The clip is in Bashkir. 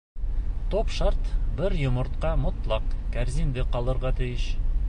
Төп шарт: бер йомортҡа мотлаҡ кәрзиндә ҡалырға тейеш.